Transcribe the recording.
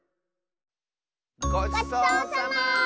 ごちそうさま！